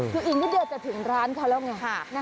คืออีกนิดเดียวจะถึงร้านเขาแล้วไง